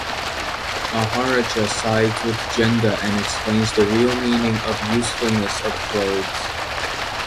Maharaj sides Genda and explains the real meaning of usefulness of clothes.